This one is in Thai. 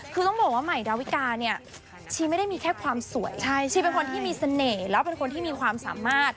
คือต้องบอกว่าใหม่ดาวิกาเนี่ยชีไม่ได้มีแค่ความสวยชีเป็นคนที่มีเสน่ห์แล้วเป็นคนที่มีความสามารถ